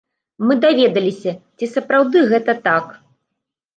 Мы даведаліся, ці сапраўды гэта так.